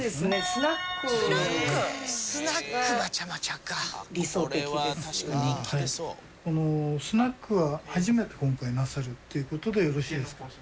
スナックは初めて今回なさるっていう事でよろしいですか？